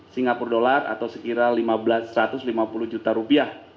singapura dollar atau sekiranya satu ratus lima puluh juta rupiah